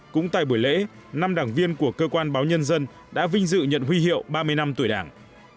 cũng tại buổi lễ năm đảng viên của cơ quan báo nhân dân đã vinh dự nhận huy hiệu ba mươi năm tuổi đảng